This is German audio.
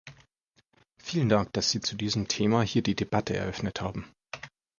Vielen Dank, dass Sie zu diesem Thema hier die Debatte eröffnet haben.